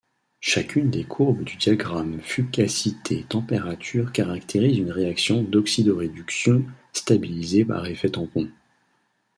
Chacune des courbes du diagramme fugacité-température caractérise une réaction d'oxydoréduction stabilisée par effet tampon.